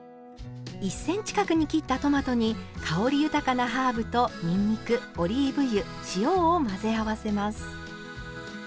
１ｃｍ角に切ったトマトに香り豊かなハーブとにんにくオリーブ油塩を混ぜ合わせます。